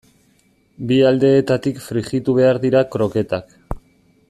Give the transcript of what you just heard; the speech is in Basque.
Bi aldeetatik frijitu behar dira kroketak.